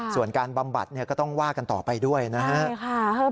ส่วนการบำบัดก็ต้องว่ากันต่อไปด้วยนะครับ